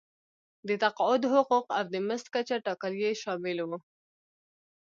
د تقاعد حقوق او د مزد کچه ټاکل یې شامل وو.